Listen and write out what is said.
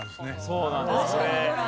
そうなんです。